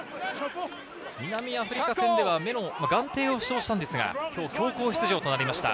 南アフリカ戦では眼底を負傷したんですが、今日、強行出場となれました